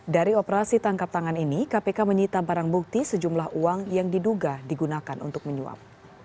dari operasi tangkap tangan ini kpk menyita barang bukti sejumlah uang yang diduga digunakan untuk menyuap